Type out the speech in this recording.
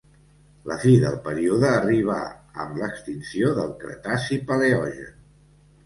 La fi del període arribà amb l'extinció del Cretaci-Paleogen.